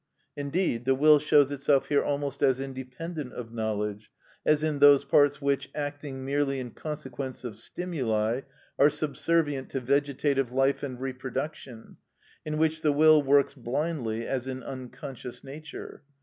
Indeed, the will shows itself here almost as independent of knowledge, as in those parts which, acting merely in consequence of stimuli, are subservient to vegetative life and reproduction, in which the will works blindly as in unconscious nature.